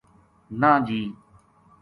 نہ جی